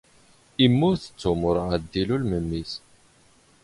ⵉⵎⵎⵓⵜ ⵜⵓⵎ ⵓⵔ ⵄⴰⴷ ⴷ ⵉⵍⵓⵍ ⵎⵎⵉⵙ.